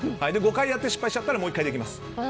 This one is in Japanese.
５回やって失敗しちゃったらもう１回できます。